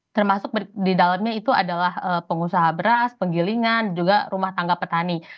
termasuk di dalamnya itu adalah pengusaha beras penggilingan juga rumah tangga petani